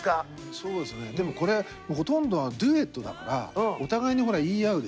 そうですねでもこれほとんどはデュエットだからお互いにほら言い合うでしょ。